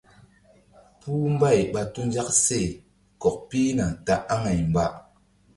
Puh mbay ɓa tu nzak she kɔk pihna ta aŋay mba.